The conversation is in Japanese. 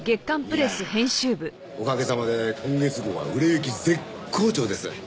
いやあおかげさまで今月号は売れ行き絶好調です。